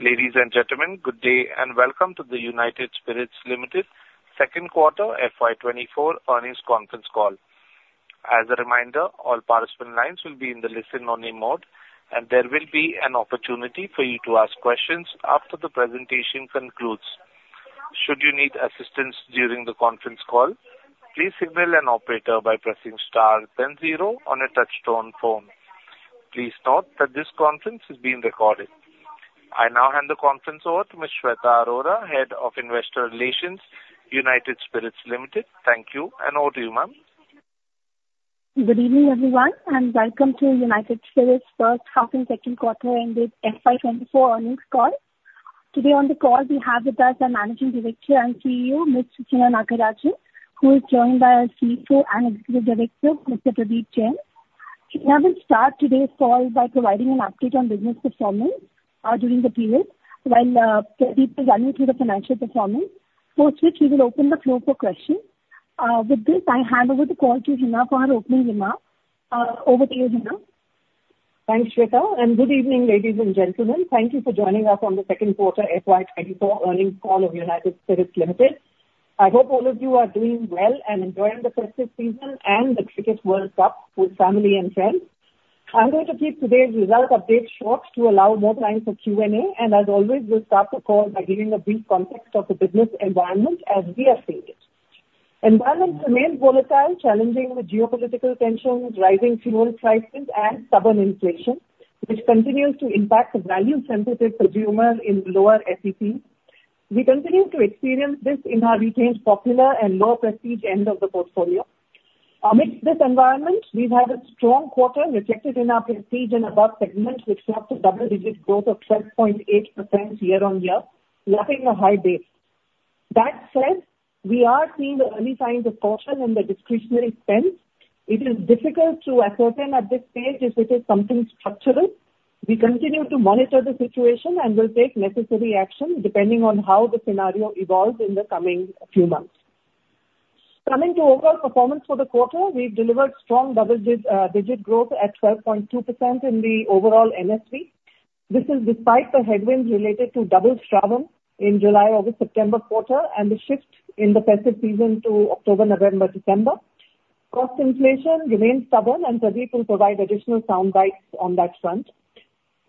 Ladies and gentlemen, good day, and welcome to the United Spirits Limited Q2 FY 2024 earnings conference call. As a reminder, all participant lines will be in the listen-only mode, and there will be an opportunity for you to ask questions after the presentation concludes. Should you need assistance during the conference call, please signal an operator by pressing star then zero on a touch-tone phone. Please note that this conference is being recorded. I now hand the conference over to Ms. Shweta Arora, Head of Investor Relations, United Spirits Limited. Thank you, and over to you, ma'am. Good evening, everyone, and welcome to United Spirits first half and Q2 ended FY 2024 earnings call. Today on the call, we have with us our Managing Director and CEO, Ms. Hina Nagarajan, who is joined by our CFO and Executive Director, Mr. Pradeep Jain. Shweta will start today's call by providing an update on business performance during the period, while Pradeep will run you through the financial performance, for which we will open the floor for questions. With this, I hand over the call to Hina for her opening remarks. Over to you, Hina. Thanks, Shweta, and good evening, ladies and gentlemen. Thank you for joining us on the Q2 FY 2024 Earnings Call of United Spirits Limited. I hope all of you are doing well and enjoying the festive season and the Cricket World Cup with family and friends. I'm going to keep today's result update short to allow more time for Q&A, and as always, we'll start the call by giving a brief context of the business environment as we have seen it. Environment remains volatile, challenging with geopolitical tensions, rising fuel prices, and stubborn inflation, which continues to impact the value-sensitive consumers in lower SEC. We continue to experience this in our retained popular and lower prestige end of the portfolio. Amidst this environment, we've had a strong quarter reflected in our prestige and above segments, which saw a double-digit growth of 12.8% year-on-year, lacking a high base. That said, we are seeing the early signs of caution in the discretionary spend. It is difficult to ascertain at this stage if it is something structural. We continue to monitor the situation and will take necessary action depending on how the scenario evolves in the coming few months. Coming to overall performance for the quarter, we've delivered strong double-digit growth at 12.2% in the overall NSP. This is despite the headwinds related to double Shravan in July, August, September quarter, and the shift in the festive season to October, November, December. Cost inflation remains stubborn, and Pradeep will provide additional sound bites on that front.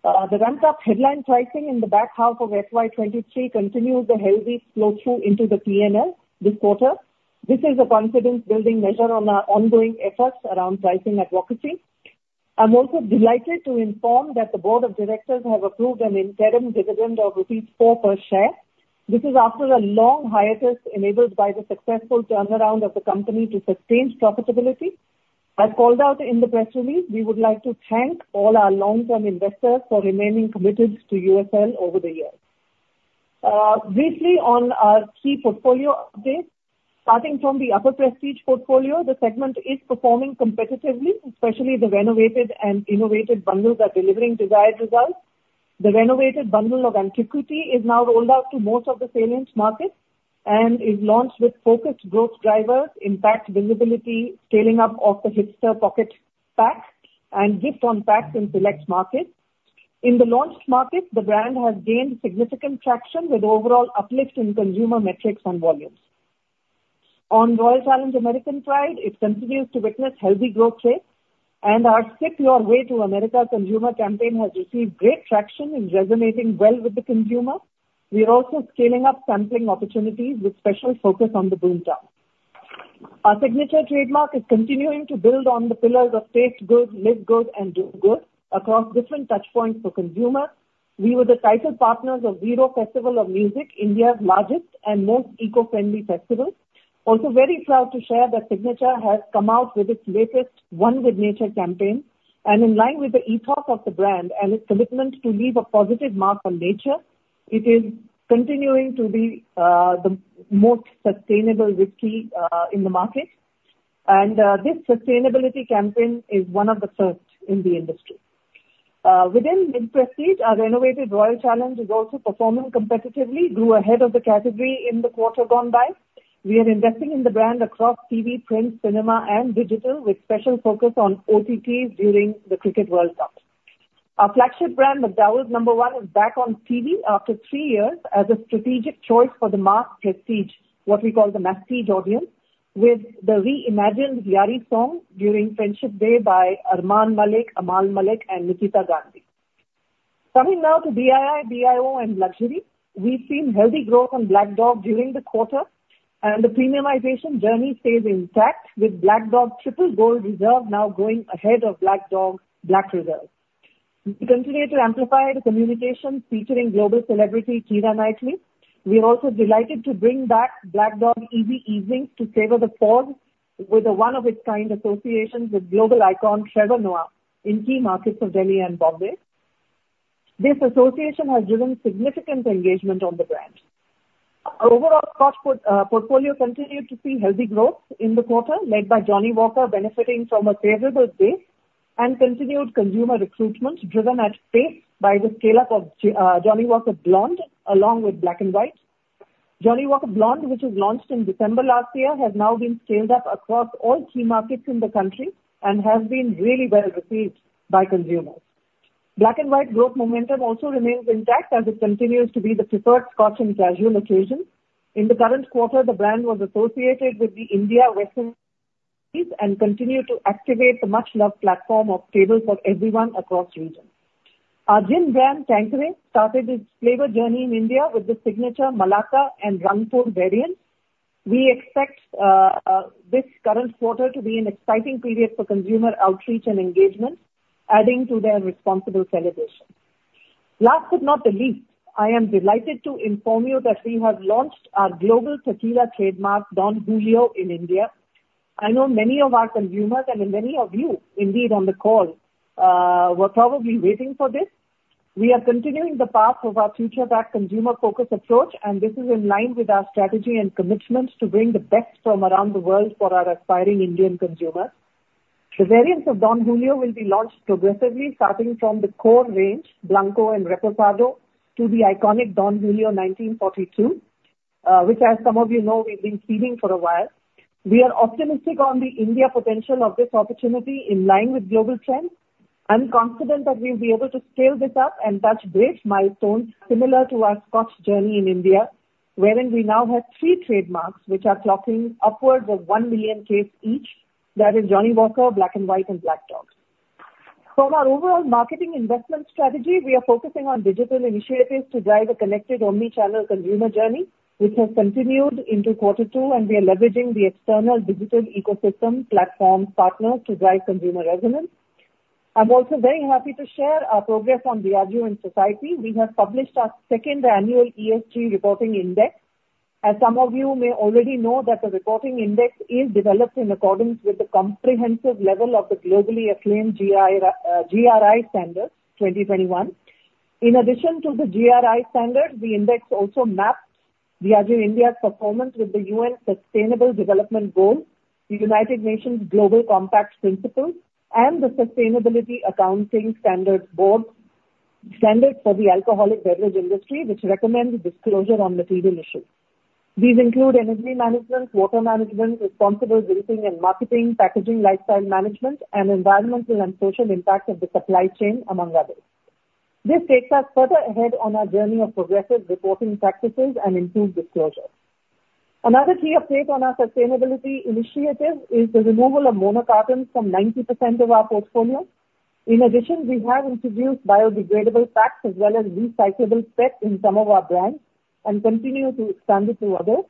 The ramp-up headline pricing in the back half of FY 2023 continues the healthy flow-through into the P&L this quarter. This is a confidence-building measure on our ongoing efforts around pricing advocacy. I'm also delighted to inform that the board of directors have approved an interim dividend of rupees 4 per share. This is after a long hiatus enabled by the successful turnaround of the company to sustain profitability. As called out in the press release, we would like to thank all our long-term investors for remaining committed to USL over the years. Briefly on our key portfolio update. Starting from the upper prestige portfolio, the segment is performing competitively, especially the renovated and innovated bundles are delivering desired results. The renovated bundle of Antiquity is now rolled out to most of the salient markets and is launched with focused growth drivers, impact visibility, scaling up of the hipster pocket pack and gift-on packs in select markets. In the launched markets, the brand has gained significant traction with overall uplift in consumer metrics and volumes. On Royal Challenge American Pride, it continues to witness healthy growth rates, and our Sip Your Way to America consumer campaign has received great traction in resonating well with the consumer. We are also scaling up sampling opportunities with special focus on the boom town. Our Signature trademark is continuing to build on the pillars of taste good, live good, and do good across different touchpoints for consumers. We were the title partners of Ziro Festival of Music, India's largest and most eco-friendly festival. Also very proud to share that Signature has come out with its latest One Good Nature campaign, and in line with the ethos of the brand and its commitment to leave a positive mark on nature, it is continuing to be the most sustainable whiskey in the market. And this sustainability campaign is one of the first in the industry. Within mid-prestige, our renovated Royal Challenge is also performing competitively, grew ahead of the category in the quarter gone by. We are investing in the brand across TV, print, cinema, and digital, with special focus on OTTs during the Cricket World Cup. Our flagship brand, McDowell's Number One, is back on TV after three years as a strategic choice for the mass prestige, what we call the prestige audience, with the reimagined Yaari song during Friendship Day by Armaan Malik, Amaal Mallik and Nikita Gandhi. Coming now to BII, BIO and Luxury. We've seen healthy growth on Black Dog during the quarter, and the premiumization journey stays intact with Black Dog Triple Gold Reserve now going ahead of Black Dog Black Reserve. We continue to amplify the communication featuring global celebrity Keira Knightley. We are also delighted to bring back Black Dog Easy Evenings to Savor the Fall with a one-of-a-kind association with global icon Trevor Noah in key markets of Delhi and Bombay. This association has driven significant engagement on the brand. Our overall portfolio continued to see healthy growth in the quarter, led by Johnnie Walker, benefiting from a favorable base and continued consumer recruitment, driven at pace by the scale-up of Johnnie Walker Blonde, along with Black & White. Johnnie Walker Blonde, which was launched in December last year, has now been scaled up across all key markets in the country and has been really well received by consumers. Black & White growth momentum also remains intact as it continues to be the preferred Scotch in casual occasions. In the current quarter, the brand was associated with the India Western and continued to activate the much-loved platform of Tables for Everyone across regions. Our gin brand, Tanqueray, started its flavor journey in India with the signature Malacca and Rangpur variants. We expect this current quarter to be an exciting period for consumer outreach and engagement, adding to their responsible celebration. Last but not the least, I am delighted to inform you that we have launched our global tequila trademark, Don Julio, in India. I know many of our consumers, and many of you indeed on the call, were probably waiting for this. We are continuing the path of our future-backed consumer-focused approach, and this is in line with our strategy and commitments to bring the best from around the world for our aspiring Indian consumers. The variants of Don Julio will be launched progressively, starting from the core range, Blanco and Reposado, to the iconic Don Julio 1942, which, as some of you know, we've been seeding for a while. We are optimistic on the India potential of this opportunity in line with global trends. I'm confident that we'll be able to scale this up and touch great milestones similar to our Scotch journey in India, wherein we now have three trademarks which are clocking upwards of one million cases each, that is Johnnie Walker, Black & White, and Black Dog. For our overall marketing investment strategy, we are focusing on digital initiatives to drive a connected omni-channel consumer journey, which has continued into Q2, and we are leveraging the external digital ecosystem platform partners to drive consumer resonance. I'm also very happy to share our progress on Diageo and society. We have published our second annual ESG reporting index. As some of you may already know, that the reporting index is developed in accordance with the comprehensive level of the globally acclaimed GI, GRI Standard 2021. In addition to the GRI Standard, the index also maps Diageo India's performance with the UN's Sustainable Development Goals, the United Nations Global Compact Principles, and the Sustainability Accounting Standards Board's standards for the alcoholic beverage industry, which recommends disclosure on material issues. These include energy management, water management, responsible drinking and marketing, packaging, lifestyle management, and environmental and social impact of the supply chain, among others. This takes us further ahead on our journey of progressive reporting practices and improved disclosure. Another key update on our sustainability initiative is the removal of monocartons from 90% of our portfolio. In addition, we have introduced biodegradable packs as well as recyclable packs in some of our brands and continue to expand it to others.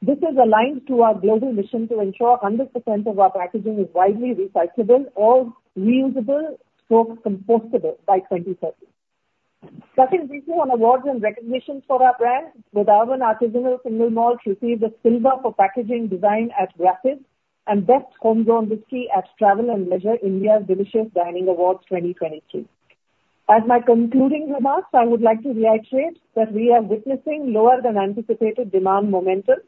This is aligned to our global mission to ensure 100% of our packaging is widely recyclable or reusable or compostable by 2030. Second, briefly on awards and recognitions for our brands. The Urban Artisanal Single Malt received a silver for packaging design at Rapid and Best Homegrown Whiskey at Travel and Leisure India's Delicious Dining Awards 2022. As my concluding remarks, I would like to reiterate that we are witnessing lower than anticipated demand momentum.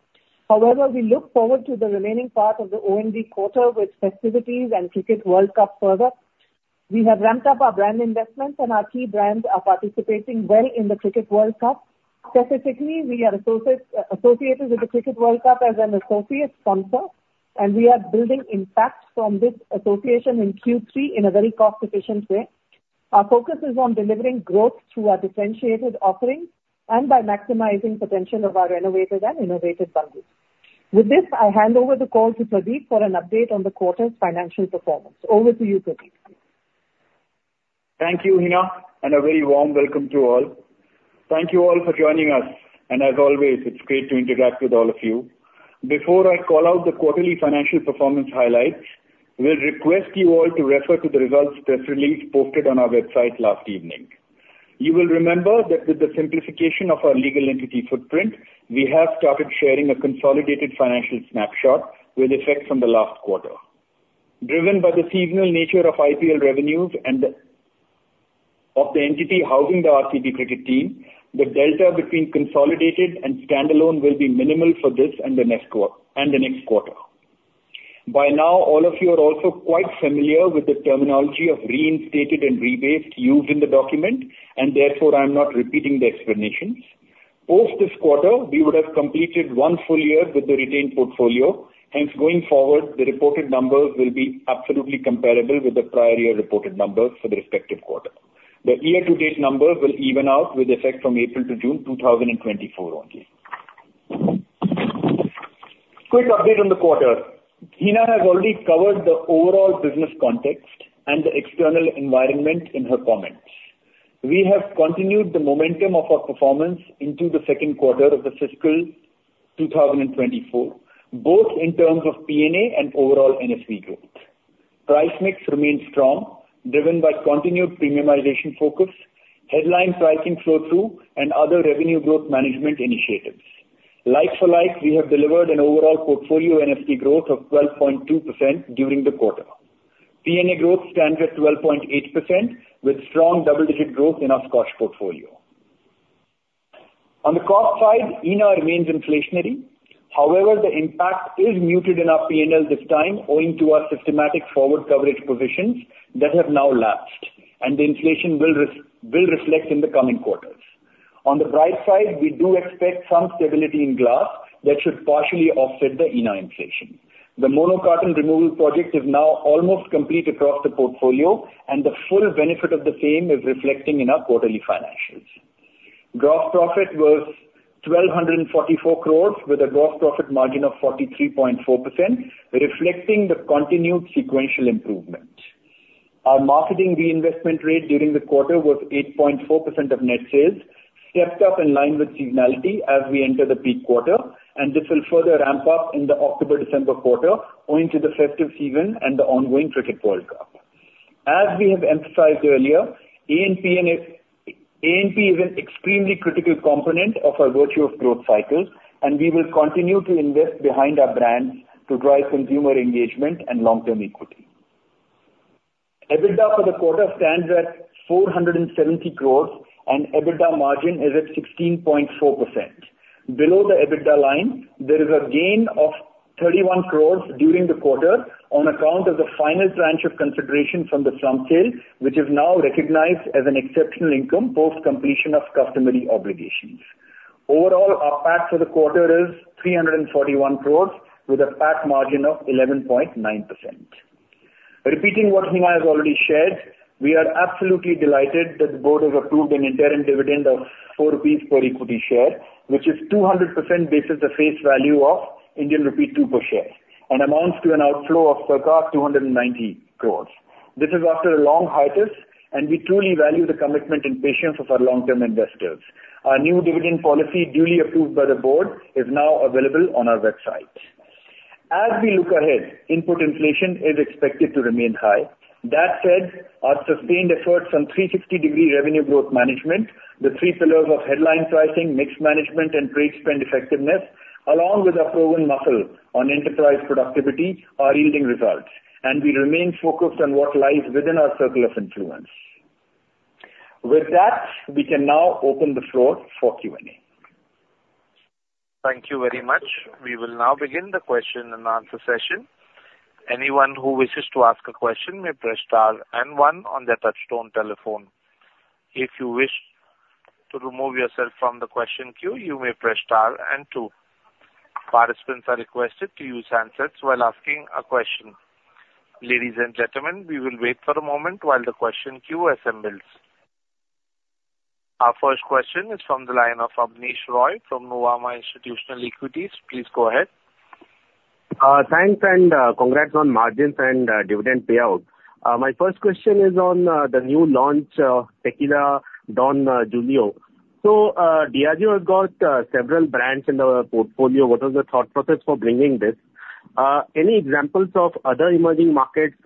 However, we look forward to the remaining part of the OND quarter with festivities and Cricket World Cup further. We have ramped up our brand investments, and our key brands are participating well in the Cricket World Cup. Specifically, we are associated with the Cricket World Cup as an associate sponsor, and we are building impact from this association in Q3 in a very cost-efficient way. Our focus is on delivering growth through our differentiated offerings and by maximizing potential of our renovated and innovative bundles. With this, I hand over the call to Pradeep for an update on the quarter's financial performance. Over to you, Pradeep. Thank you, Hina, and a very warm welcome to all. Thank you all for joining us, and as always, it's great to interact with all of you. Before I call out the quarterly financial performance highlights, we'll request you all to refer to the results press release posted on our website last evening. You will remember that with the simplification of our legal entity footprint, we have started sharing a consolidated financial snapshot with effect from the last quarter. Driven by the seasonal nature of IPL revenues and the, of the entity housing the RCB cricket team, the delta between consolidated and standalone will be minimal for this and the next quarter. By now, all of you are also quite familiar with the terminology of reinstated and rebased used in the document, and therefore I'm not repeating the explanations. Post this quarter, we would have completed one full year with the retained portfolio, hence, going forward, the reported numbers will be absolutely comparable with the prior year reported numbers for the respective quarter. The year-to-date numbers will even out with effect from April to June 2024 only. Quick update on the quarter. Hina has already covered the overall business context and the external environment in her comments. We have continued the momentum of our performance into the Q2 of the fiscal 2024, both in terms of P&A and overall NSP growth. Price mix remains strong, driven by continued premiumization focus, headline pricing flow-through, and other revenue growth management initiatives. Like for like, we have delivered an overall portfolio NSP growth of 12.2% during the quarter. P&A growth stands at 12.8%, with strong double-digit growth in our Scotch portfolio. On the cost side, Hina remains inflationary. However, the impact is muted in our PNL this time, owing to our systematic forward coverage positions that have now lapsed, and the inflation will reflect in the coming quarters. On the bright side, we do expect some stability in glass that should partially offset the ENA inflation. The mono carton removal project is now almost complete across the portfolio, and the full benefit of the same is reflecting in our quarterly financials. Gross profit was 1,244 crore, with a gross profit margin of 43.4%, reflecting the continued sequential improvement. Our marketing reinvestment rate during the quarter was 8.4% of net sales, stepped up in line with seasonality as we enter the peak quarter, and this will further ramp up in the October to December quarter, owing to the festive season and the ongoing Cricket World Cup. As we have emphasized earlier, A&P and it, A&P is an extremely critical component of our virtual growth cycle, and we will continue to invest behind our brands to drive consumer engagement and long-term equity. EBITDA for the quarter stands at 470 crores, and EBITDA margin is at 16.4%. Below the EBITDA line, there is a gain of 31 crores during the quarter on account of the final tranche of consideration from the slump sale, which is now recognized as an exceptional income, post completion of customary obligations. Overall, our PAT for the quarter is 341 crore, with a PAT margin of 11.9%. Repeating what Hina has already shared, we are absolutely delighted that the board has approved an interim dividend of 4 rupees per equity share, which is 200% basis the face value of Indian rupee 2 per share, and amounts to an outflow of circa 290 crore. This is after a long hiatus, and we truly value the commitment and patience of our long-term investors. Our new dividend policy, duly approved by the board, is now available on our website. As we look ahead, input inflation is expected to remain high. That said, our sustained efforts on 360-degree revenue growth management, the three pillars of headline pricing, mix management, and trade spend effectiveness, along with our proven muscle on enterprise productivity, are yielding results, and we remain focused on what lies within our circle of influence. With that, we can now open the floor for Q&A. Thank you very much. We will now begin the Q&A session. Anyone who wishes to ask a question may press star and one on their touchtone telephone. If you wish to remove yourself from the question queue, you may press star and two. Participants are requested to use handsets while asking a question. Ladies and gentlemen, we will wait for a moment while the question queue assembles. Our first question is from the line of Abneesh Roy from Motilal Oswal Institutional Equities. Please go ahead. Thanks, and congrats on margins and dividend payout. My first question is on the new launch, Tequila, Don Julio. So, Diageo has got several brands in their portfolio. What was the thought process for bringing this? Any examples of other emerging markets,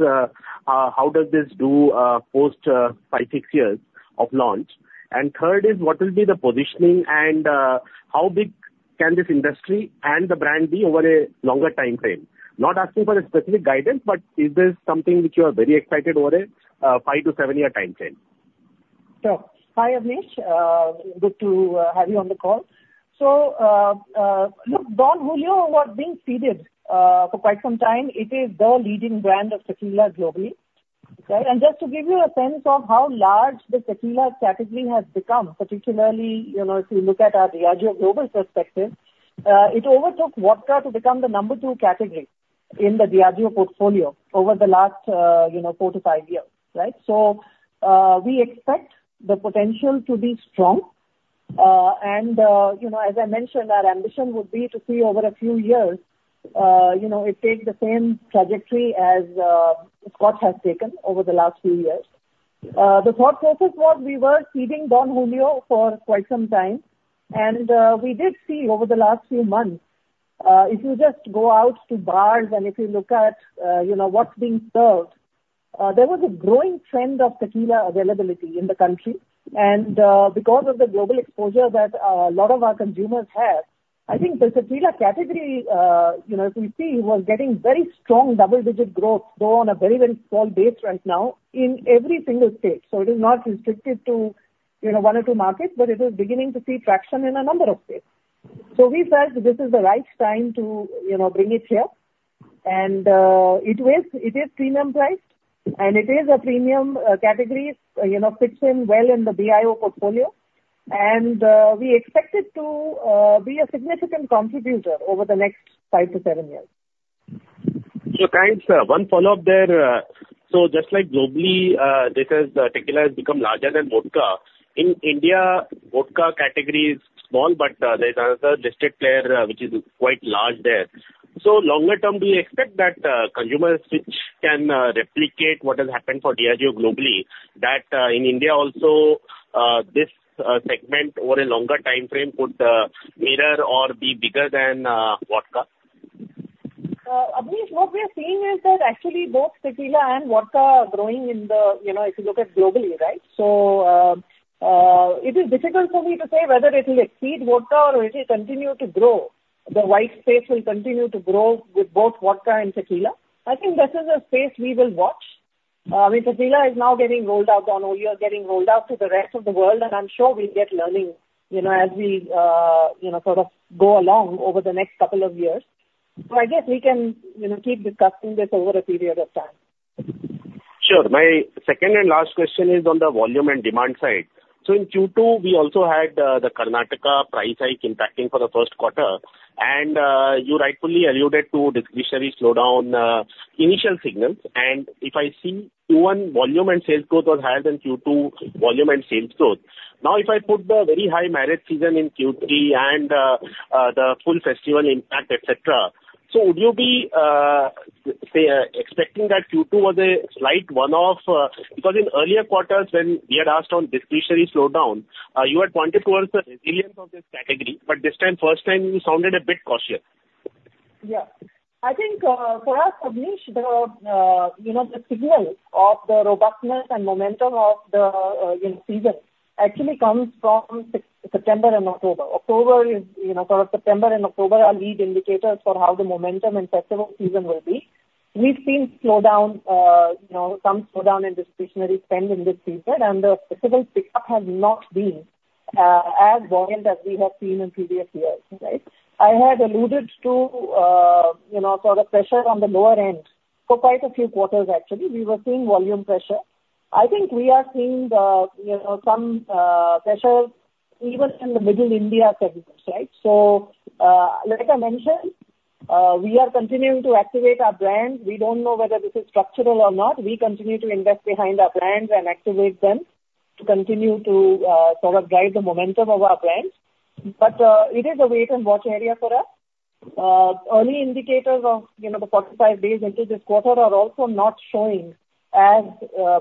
how does this do post five, six years of launch? And third is, what will be the positioning, and how big can this industry and the brand be over a longer timeframe? Not asking for a specific guidance, but is this something which you are very excited over a five to seven year timeframe? Sure. Hi, Abneesh, good to have you on the call. So, look, Don Julio was being seeded for quite some time. It is the leading brand of tequila globally, right? And just to give you a sense of how large the tequila category has become, particularly, you know, if you look at our Diageo global perspective, it overtook vodka to become the number two category in the Diageo portfolio over the last, you know, four to five years, right? So, we expect the potential to be strong. And, you know, as I mentioned, our ambition would be to see over a few years, you know, it take the same trajectory as Scotch has taken over the last few years. The thought process was we were seeding Don Julio for quite some time, and we did see over the last few months, if you just go out to bars and if you look at, you know, what's being served, there was a growing trend of tequila availability in the country. And, because of the global exposure that a lot of our consumers have, I think the tequila category, you know, if you see, was getting very strong double-digit growth, though on a very, very small base right now, in every single state. So it is not restricted to, you know, one or two markets, but it is beginning to see traction in a number of states. So we felt this is the right time to, you know, bring it here. It is, it is premium priced, and it is a premium category, you know, fits in well in the BIO portfolio, and we expect it to be a significant contributor over the next five to seven years. So, thanks. One follow-up there. So just like globally, this has, tequila has become larger than vodka. In India, vodka category is small, but there's another distinct player, which is quite large there. So longer term, do you expect that consumer switch can replicate what has happened for Diageo globally, that in India also this segment over a longer timeframe could mirror or be bigger than vodka? Abneesh, what we are seeing is that actually both tequila and vodka are growing in the, you know, if you look at globally, right? So, it is difficult for me to say whether it will exceed vodka or it will continue to grow. The white space will continue to grow with both vodka and tequila. I think this is a space we will watch as Tequila is now getting rolled out on, or you are getting rolled out to the rest of the world, and I'm sure we'll get learning, you know, as we, you know, sort of go along over the next couple of years. So I guess we can, you know, keep discussing this over a period of time. Sure. My second and last question is on the volume and demand side. So in Q2, we also had the Karnataka price hike impacting for the Q1, and you rightfully alluded to discretionary slowdown, initial signals. And if I see Q1 volume and sales growth was higher than Q2 volume and sales growth. Now, if I put the very high marriage season in Q3 and the full festival impact, et cetera, so would you be, say, expecting that Q2 was a slight one-off? Because in earlier quarters, when we had asked on discretionary slowdown, you had pointed towards the resilience of this category, but this time, first time, you sounded a bit cautious. Yeah. I think, for us, Abneesh, the, you know, the signal of the robustness and momentum of the, you know, season actually comes from September and October. October is, you know, sort of September and October are lead indicators for how the momentum and festival season will be. We've seen slowdown, you know, some slowdown in discretionary spend in this season, and the festival pickup has not been, as buoyant as we have seen in previous years, right? I had alluded to, you know, sort of pressure on the lower end for quite a few quarters actually. We were seeing volume pressure. I think we are seeing the, you know, some, pressure even in the middle India segments, right? So, like I mentioned, we are continuing to activate our brands. We don't know whether this is structural or not. We continue to invest behind our brands and activate them to continue to, sort of drive the momentum of our brands. But, it is a wait and watch area for us. Early indicators of, you know, the 45 days into this quarter are also not showing as,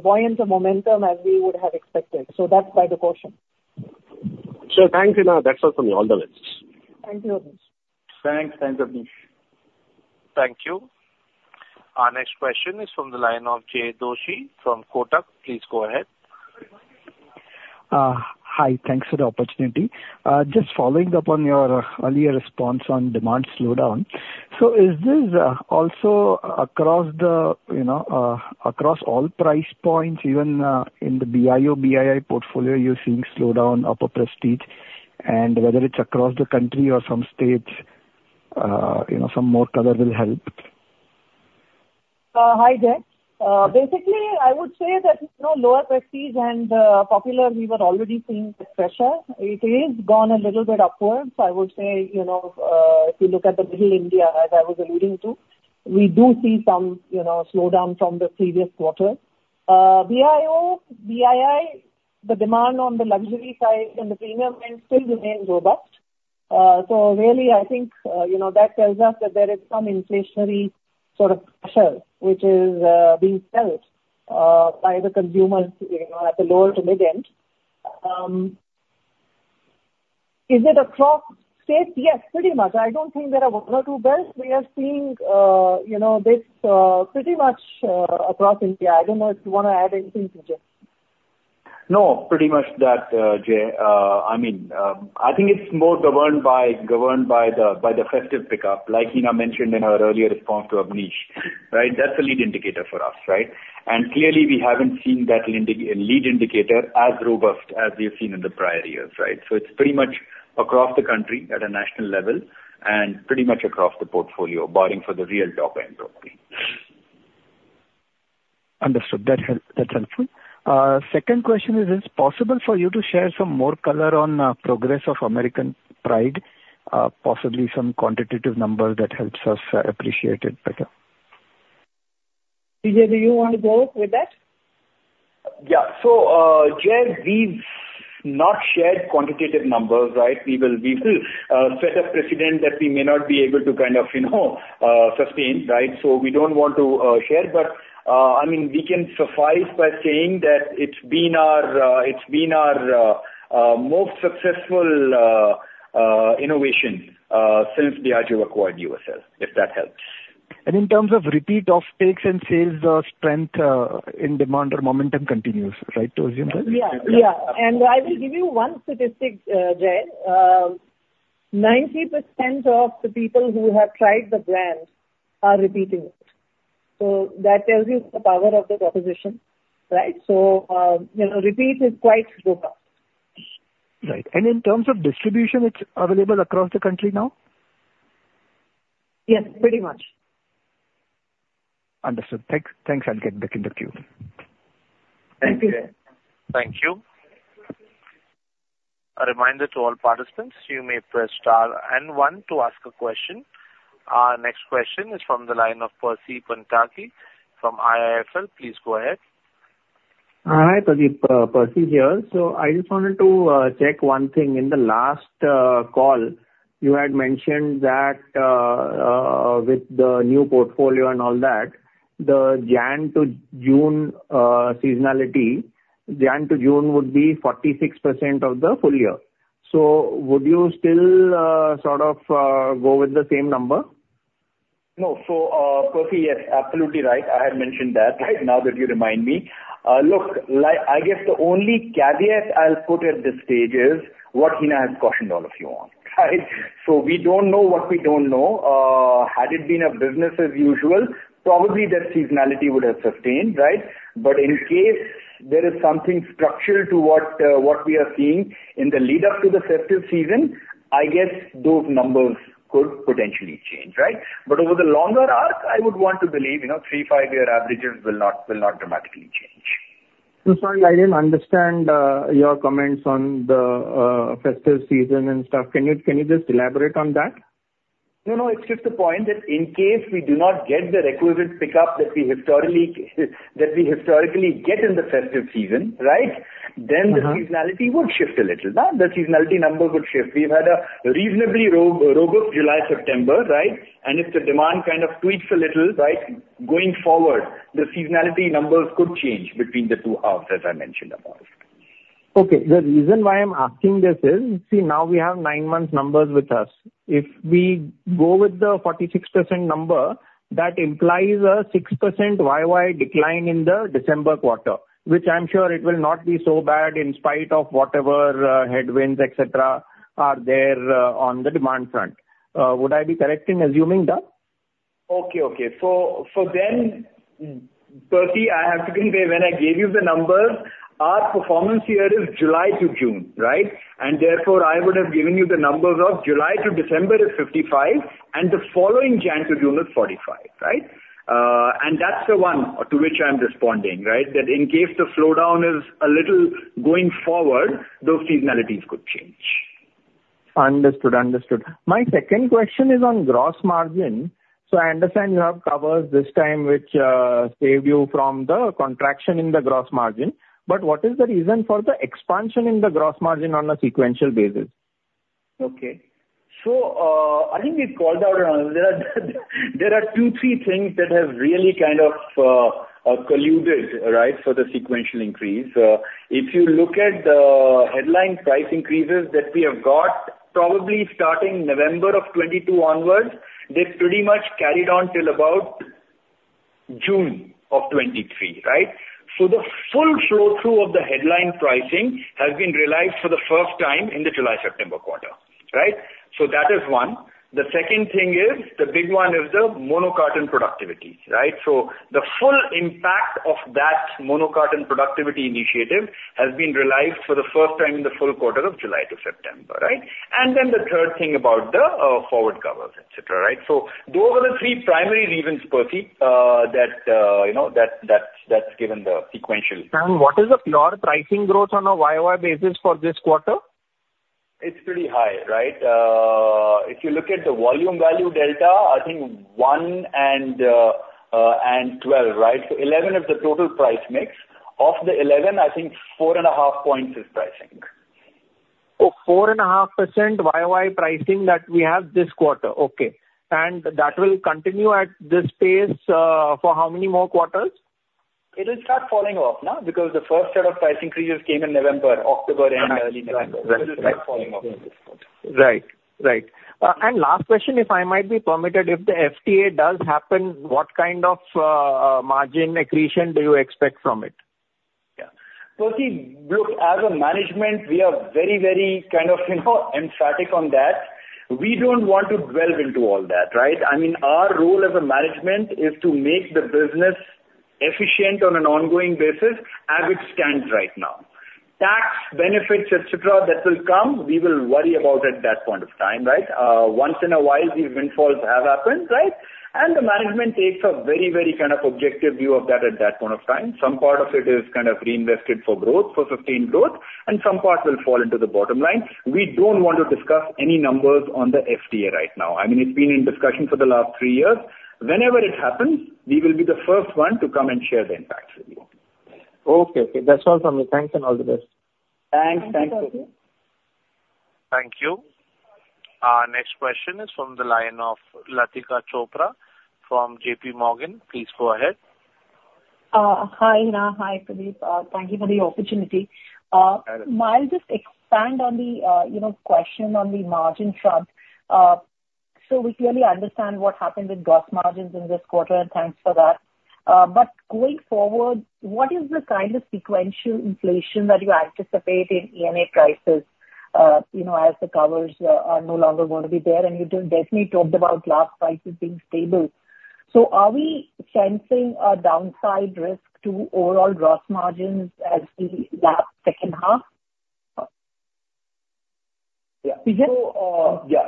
buoyant a momentum as we would have expected, so that's why the caution. Sure, thanks, Hina. That's all for me. All the best. Thank you, Abneesh. Thanks. Thanks, Abneesh. Thank you. Our next question is from the line of Jay Doshi from Kotak. Please go ahead. Hi. Thanks for the opportunity. Just following up on your earlier response on demand slowdown. So is this also across the, you know, across all price points, even in the BIO, BII portfolio, you're seeing slowdown upper prestige, and whether it's across the country or some states, you know, some more color will help? Hi, Jay. Basically, I would say that, you know, lower prestige and popular, we were already seeing the pressure. It is gone a little bit upwards. I would say, you know, if you look at the middle India, as I was alluding to, we do see some, you know, slowdown from the previous quarter. BIO, BII, the demand on the luxury side and the premium end still remains robust. So really, I think, you know, that tells us that there is some inflationary sort of pressure which is being felt by the consumers, you know, at the lower to mid end. Is it across state? Yes, pretty much. I don't think there are one or two belts. We are seeing, you know, this pretty much across India. I don't know if you want to add anything, PJ. No, pretty much that, Jay. I mean, I think it's more governed by the festive pickup, like Hina mentioned in her earlier response to Abneesh, right? That's a lead indicator for us, right? And clearly, we haven't seen that lead indicator as robust as we have seen in the prior years, right? So it's pretty much across the country at a national level and pretty much across the portfolio, barring for the real low end, probably. Understood. That help, that's helpful. Second question is: Is it possible for you to share some more color on progress of American Pride, possibly some quantitative number that helps us appreciate it better? PJ, do you want to go with that? Yeah. So, Jay, we've not shared quantitative numbers, right? We will, we will, set a precedent that we may not be able to kind of, you know, sustain, right? So we don't want to, share. But, I mean, we can suffice by saying that it's been our, it's been our, most successful, innovation, since Diageo acquired USL, if that helps. In terms of repeat offtakes and sales, the strength in demand or momentum continues, right to assume that? Yeah, yeah. And I will give you one statistic, Jay. 90% of the people who have tried the brand are repeating it. So that tells you the power of the proposition, right? So, you know, repeat is quite robust. Right. And in terms of distribution, it's available across the country now? Yes, pretty much. Understood. Thanks. Thanks, I'll get back in the queue. Thank you. Thank you. A reminder to all participants, you may press star and one to ask a question. Our next question is from the line of Percy Panthaki from IIFL. Please go ahead. Hi, Pradeep. Percy here. So I just wanted to check one thing. In the last call, you had mentioned that with the new portfolio and all that, the Jan to June seasonality, Jan to June would be 46% of the full year. So would you still sort of go with the same number? No, so, Percy, yes, absolutely right. I had mentioned that, right now that you remind me. Look, like, I guess the only caveat I'll put at this stage is, what Hina has cautioned all of you on, right? So we don't know what we don't know. Had it been a business as usual, probably that seasonality would have sustained, right? But in case there is something structural to what, what we are seeing in the lead up to the festive season, I guess those numbers could potentially change, right? But over the longer arc, I would want to believe, you know, three, five-year averages will not, will not dramatically change. So sorry, I didn't understand your comments on the festive season and stuff. Can you just elaborate on that? No, no, it's just the point that in case we do not get the requisite pickup that we historically get in the festive season, right? Uh-huh. Then the seasonality would shift a little, nah, the seasonality number would shift. We've had a reasonably robust July, September, right? And if the demand kind of tweaks a little, right, going forward, the seasonality numbers could change between the two halves, as I mentioned about it. Okay. The reason why I'm asking this is, see, now we have nine months numbers with us. If we go with the 46% number, that implies a 6% year-over-year decline in the December quarter, which I'm sure it will not be so bad in spite of whatever, headwinds, et cetera, are there, on the demand front. Would I be correct in assuming that? Okay, okay. So, so then, Percy, I have to convey, when I gave you the numbers, our performance year is July to June, right? And therefore, I would have given you the numbers of July to December is 55, and the following January to June is 45, right? And that's the one to which I'm responding, right? That in case the slowdown is a little going forward, those seasonalities could change. Understood, understood. My second question is on gross margin. So I understand you have covers this time which save you from the contraction in the gross margin, but what is the reason for the expansion in the gross margin on a sequential basis? Okay. So, I think we've called out. There are two, three things that have really kind of colluded, right, for the sequential increase. If you look at the headline price increases that we have got, probably starting November of 2022 onwards, they've pretty much carried on till about June of 2023, right? So the full flow through of the headline pricing has been realized for the first time in the July to September quarter, right? So that is one. The second thing is, the big one is the mono carton productivity, right? So the full impact of that mono carton productivity initiative has been realized for the first time in the full quarter of July to September, right? And then the third thing about the forward covers, et cetera, right? So those are the three primary reasons, Percy, that you know that's given the sequential. What is the floor pricing growth on a YOY basis for this quarter? It's pretty high, right? If you look at the volume value delta, I think one and and 12, right? So 11 is the total price mix. Of the 11, I think 4.5 points is pricing. Oh, 4.5% YOY pricing that we have this quarter. Okay. And that will continue at this pace, for how many more quarters? It will start falling off now, because the first set of price increases came in November, October and early November. Uh, right. It'll start falling off. Right. Right. And last question, if I might be permitted, if the FTA does happen, what kind of margin accretion do you expect from it? Yeah. Percy, look, as a management, we are very, very kind of, you know, emphatic on that. We don't want to delve into all that, right? I mean, our role as a management is to make the business efficient on an ongoing basis as it stands right now. Tax benefits, et cetera, that will come, we will worry about at that point of time, right? Once in a while, these windfalls have happened, right? And the management takes a very, very kind of objective view of that at that point of time. Some part of it is kind of reinvested for growth, for sustained growth, and some parts will fall into the bottom line. We don't want to discuss any numbers on the FTA right now. I mean, it's been in discussion for the last three years. Whenever it happens, we will be the first one to come and share the impacts with you. Okay. Okay, that's all from me. Thanks, and all the best. Thanks. Thanks, Percy. Thank you. Our next question is from the line of Latika Chopra from JPMorgan. Please go ahead. Hi, Hina. Hi, Pradeep. Thank you for the opportunity. Uh- I'll just expand on the, you know, question on the margin front. So we clearly understand what happened with gross margins in this quarter, and thanks for that. But going forward, what is the kind of sequential inflation that you anticipate in ENA prices, you know, as the covers, are no longer going to be there, and you do definitely talked about glass prices being stable. So are we sensing a downside risk to overall gross margins as the, last second half? Yeah. Yeah.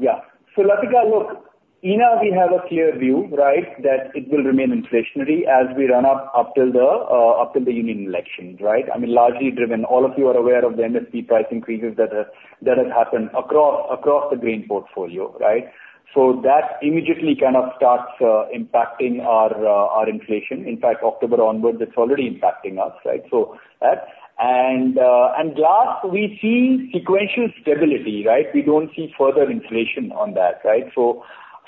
Yeah. So, Latika, look, Hina, we have a clear view, right? That it will remain inflationary as we run up till the union elections, right? I mean, largely driven, all of you are aware of the MSP price increases that have happened across the grain portfolio, right? So that immediately kind of starts impacting our inflation. In fact, October onwards, it's already impacting us, right? So that, and glass, we see sequential stability, right? We don't see further inflation on that, right? So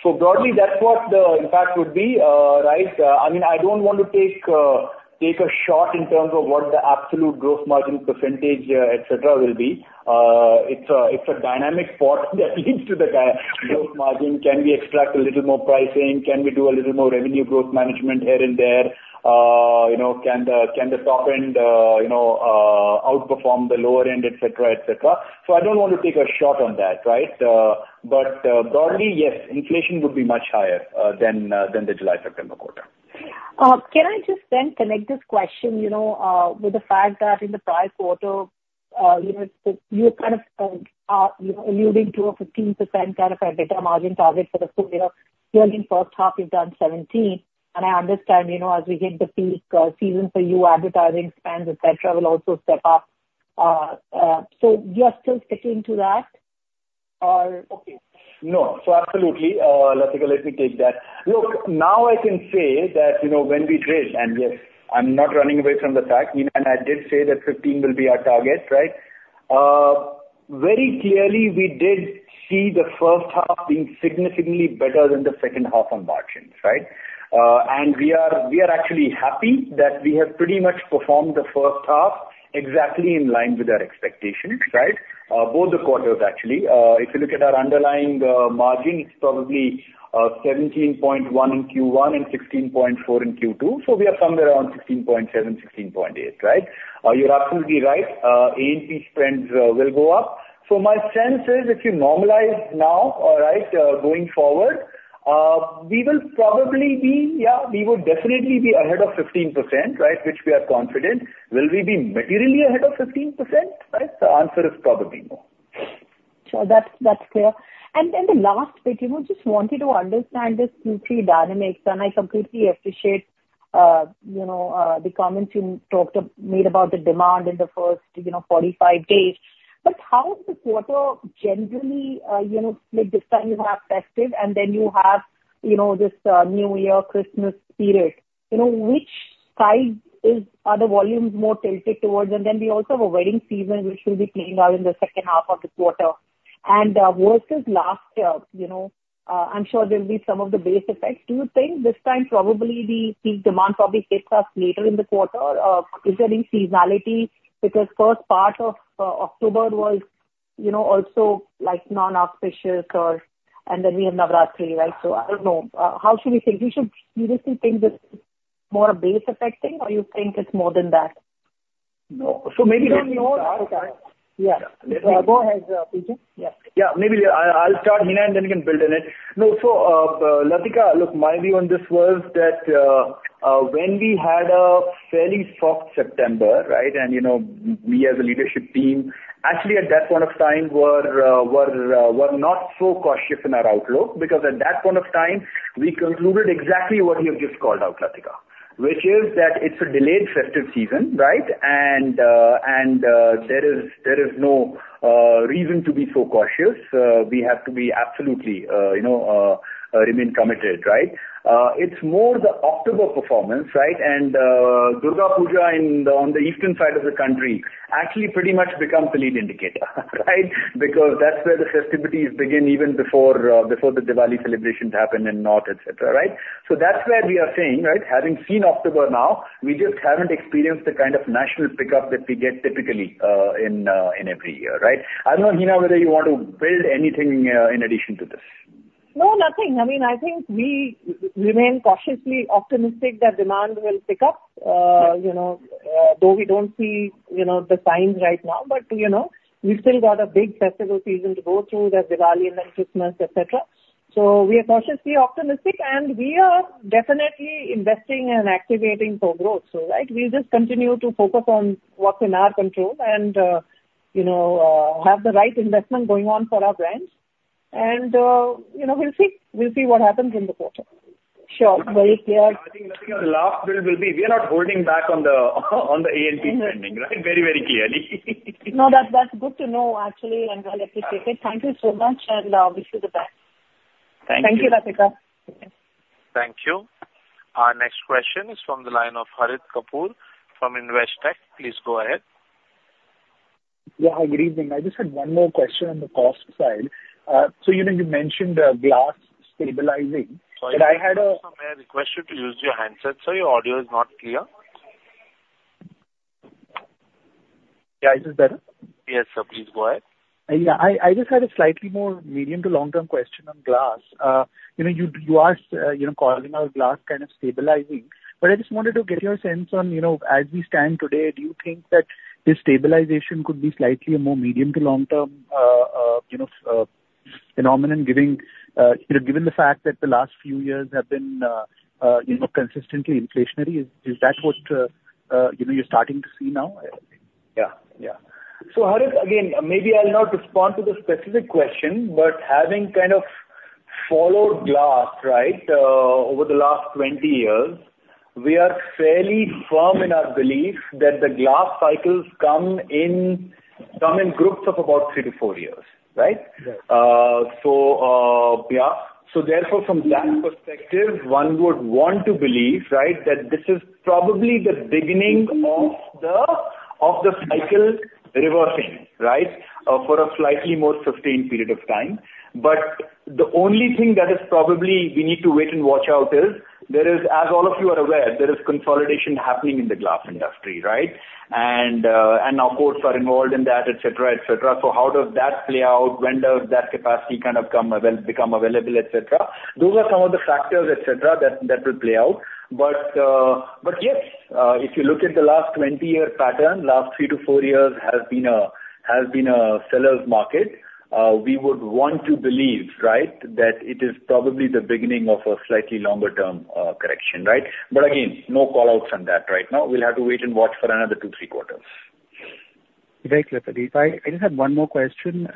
broadly, that's what the impact would be, right? I mean, I don't want to take a shot in terms of what the absolute growth margin percentage, et cetera, will be. It's a dynamic sport that leads to the growth margin. Can we extract a little more pricing? Can we do a little more revenue growth management here and there? You know, can the top end, you know, outperform the lower end, et cetera, et cetera? So I don't want to take a shot on that, right? But broadly, yes, inflation would be much higher than the July to September quarter. Can I just then connect this question, you know, with the fact that in the prior quarter, you know, you were kind of, you know, alluding to a 15% kind of a better margin target for the full year. During first half, you've done 17, and I understand, you know, as we hit the peak season for you, advertising spends, et cetera, will also step up. So you are still sticking to that or okay? No. So absolutely, Latika, let me take that. Look, now I can say that, you know, when we traced, and yes, I'm not running away from the fact, you know, and I did say that 15 will be our target, right? Very clearly, we did see the first half being significantly better than the second half on margins, right? And we are actually happy that we have pretty much performed the first half exactly in line with our expectations, right? Both the quarters, actually. If you look at our underlying margin, it's probably 17.1 in Q1 and 16.4 in Q2, so we are somewhere around 16.7, 16.8, right? You're absolutely right, A&P spends will go up. So my sense is, if you normalize now, all right, going forward, we will probably be.. Yeah, we would definitely be ahead of 15%, right? Which we are confident. Will we be materially ahead of 15%, right? The answer is probably no. Sure. That's, that's clear. And then the last bit, you know, just wanted to understand the Q3 dynamics, and I completely appreciate, you know, the comments you talked, made about the demand in the first, you know, 45 days. But how is this quarter generally, you know, like, this time you have festive and then you have, you know, this, New Year, Christmas period. You know, which side is, are the volumes more tilted towards? And then we also have a wedding season, which should be playing out in the second half of this quarter. And, versus last year, you know, I'm sure there'll be some of the base effects. Do you think this time probably the peak demand probably hits us later in the quarter? Is there any seasonality? Because first part of October was, you know, also, like, non-auspicious or, and then we have Navratri, right? So I don't know. How should we think? We should basically think it's more a base effect thing, or you think it's more than that? No. So maybe let me start. You know. Okay. Yeah. Yeah. Go ahead, PJ. Yeah. Yeah. Maybe I, I'll start, Hina, and then you can build on it. No, so, Latika, look, my view on this was that, when we had a fairly soft September, right, and, you know, we as a leadership team, actually, at that point of time were not so cautious in our outlook, because at that point of time, we concluded exactly what you've just called out, Latika. Which is that it's a delayed festive season, right? And there is no reason to be so cautious. We have to be absolutely, you know, remain committed, right? It's more the October performance, right? And Durga Puja in the, on the eastern side of the country actually pretty much becomes the lead indicator, right? Because that's where the festivities begin, even before the Diwali celebrations happen in north, et cetera, right? So that's where we are saying, right, having seen October now, we just haven't experienced the kind of national pickup that we get typically in every year, right? I don't know, Hina, whether you want to build anything in addition to this. No, nothing. I mean, I think we remain cautiously optimistic that demand will pick up. You know, though we don't see the signs right now, but, you know, we've still got a big festival season to go through, the Diwali and then Christmas, et cetera. So we are cautiously optimistic, and we are definitely investing and activating for growth so, right? We'll just continue to focus on what's in our control and, you know, have the right investment going on for our brands. And, you know, we'll see, we'll see what happens in the quarter. Sure. Very clear. I think the last build will be, we are not holding back on the A&P spending Mm-hmm. Right? Very, very clearly. No, that's, that's good to know, actually, and well appreciated. Thank you so much, and, wish you the best. Thank you. Thank you, Latika. Thank you. Our next question is from the line of Harit Kapoor from Investec. Please go ahead. Yeah, good evening. I just had one more question on the cost side. So, you know, you mentioned glass stabilizing, and I had a Sorry, may I request you to use your handset, sir? Your audio is not clear. Yeah. Is this better? Yes, sir. Please go ahead. Yeah. I just had a slightly more medium to long-term question on glass. You know, you are, you know, calling out glass kind of stabilizing, but I just wanted to get your sense on, you know, as we stand today, do you think that this stabilization could be slightly a more medium to long-term, you know, phenomenon, given the fact that the last few years have been, you know, consistently inflationary? Is that what, you know, you're starting to see now? Yeah. Yeah. So Harit, again, maybe I'll not respond to the specific question, but having kind of followed glass, right, over the last 20 years, we are fairly firm in our belief that the glass cycles come in groups of about three to four years, right? Right. So, yeah. So therefore, from that perspective, one would want to believe, right, that this is probably the beginning of the cycle reversing, right? For a slightly more sustained period of time. But the only thing that is probably we need to wait and watch out is, there is, as all of you are aware, there is consolidation happening in the glass industry, right? And, and our quotes are involved in that, et cetera, et cetera. So how does that play out? When does that capacity kind of become available, et cetera? Those are some of the factors, et cetera, that will play out. But yes, if you look at the last 20-year pattern, last three to four years has been a seller's market. We would want to believe, right, that it is probably the beginning of a slightly longer term correction, right? But again, no call outs on that right now. We'll have to wait and watch for another two, three quarters. Very clear, Pradeep. I, I just had one more question,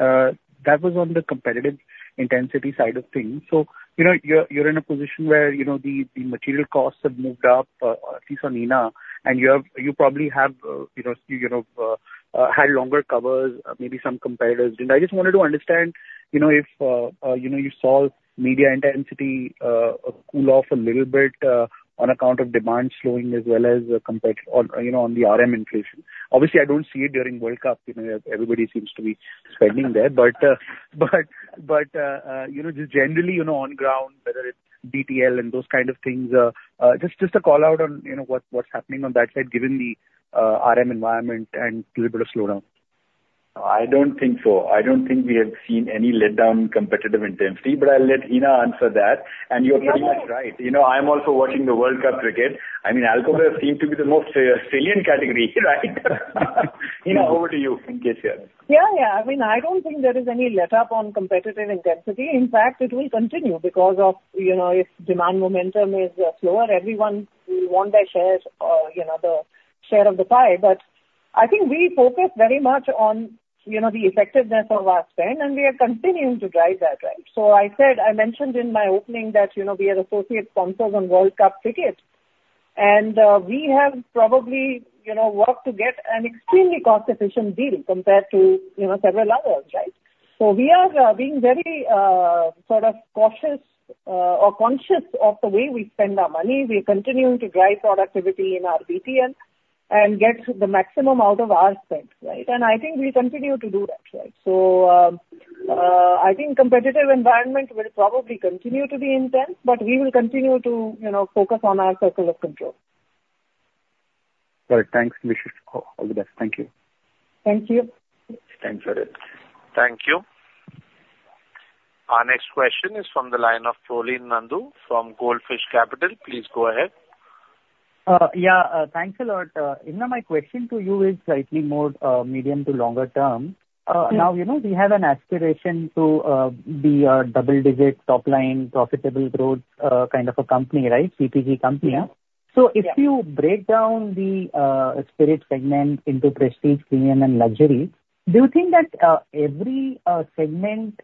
that was on the competitive intensity side of things. So, you know, you're, you're in a position where, you know, the, the material costs have moved up, at least on Hina, and you have, you probably have, you know, you know, had longer covers, maybe some competitors didn't. I just wanted to understand, you know, if, you know, you saw media intensity, cool off a little bit, on account of demand slowing as well as, competitive or, you know, on the RM inflation. Obviously, I don't see it during World Cup. You know, everybody seems to be spending there, but you know, just generally, you know, on ground, whether it's BTL and those kind of things, just a call out on, you know, what's happening on that side, given the RM environment and little bit of slowdown. I don't think so. I don't think we have seen any letdown competitive intensity, but I'll let Hina answer that. You're pretty much right. You know, I'm also watching the World Cup cricket. I mean, alcohol seem to be the most, salient category, right? Hina, over to you in case here. Yeah, yeah. I mean, I don't think there is any letup on competitive intensity. In fact, it will continue because of, you know, if demand momentum is slower, everyone will want their shares, you know, the share of the pie. But I think we focus very much on, you know, the effectiveness of our spend, and we are continuing to drive that, right? So I said, I mentioned in my opening that, you know, we are associate sponsors on World Cup cricket, and we have probably, you know, worked to get an extremely cost-efficient deal compared to, you know, several others, right? So we are being very sort of cautious or conscious of the way we spend our money. We're continuing to drive productivity in our BTL and get the maximum out of our spend, right? I think we continue to do that, right. I think competitive environment will probably continue to be intense, but we will continue to, you know, focus on our circles of control. All right. Thanks, Nishit. All the best. Thank you. Thank you. Thanks, Harit. Thank you. Our next question is from the line of Prolin Nandu from Goldfish Capital. Please go ahead. Yeah, thanks a lot. Hina, my question to you is slightly more medium to longer term. Mm-hmm. Now, you know, we have an aspiration to be a double-digit, top-line, profitable growth kind of a company, right? CPG company. Yeah. So if you break down the spirit segment into prestige, premium, and luxury, do you think that every segment